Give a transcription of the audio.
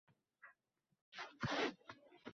U meni daraxtga oyogʻimdan osib qoʻymoqchi.